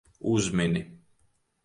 Uzmini.